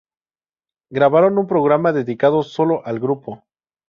Grabaron un programa dedicado solo al grupo.